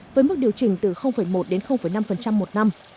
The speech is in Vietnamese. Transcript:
với mức điều chỉnh từ một đến năm một năm